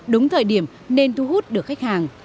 đúng thời điểm nên thu hút được khách hàng